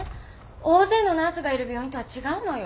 大勢のナースがいる病院とは違うのよ。